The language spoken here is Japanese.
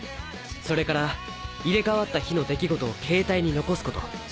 それから入れ替わった日の出来事をケータイに残すこと。